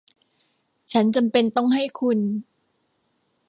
ฉันจำเป็นต้องให้คุณ